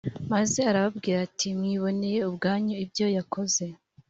maze arababwira ati «mwiboneye ubwanyu ibyo yakoze,